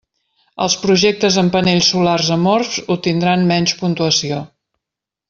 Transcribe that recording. Els projectes amb panells solars amorfs obtindran menys puntuació.